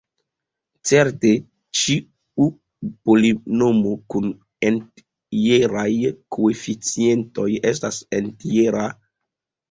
Certe ĉiu polinomo kun entjeraj koeficientoj estas entjera.